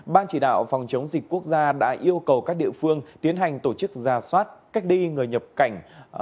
ban chỉ đạo phòng chống dịch quốc gia đã yêu cầu các địa phương tiến hành tổ chức ra soát cách ly người nhập cảnh